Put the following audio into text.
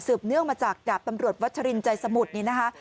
เนื่องมาจากดาบตำรวจวัชรินใจสมุทรนี่นะคะ